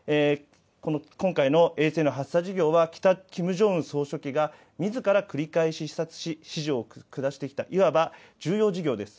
今回の衛星の発射事業はキム・ジョンウン総書記がみずから繰り返し視察し、指示を下してきた、いわば重要事業です。